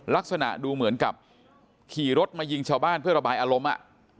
ลักษณะดูเหมือนกับขี่รถมายิงชาวบ้านเพื่อระบายอารมณ์